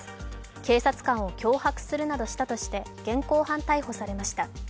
警察官を脅迫するなどしたとして現行犯逮捕されました。